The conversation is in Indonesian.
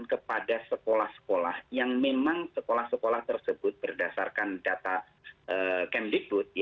kepada sekolah sekolah yang memang sekolah sekolah tersebut berdasarkan data kemdikbud